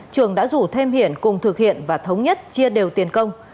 trường đã rủ thêm hiển cùng thực hiện và thống nhất chia đều tiền công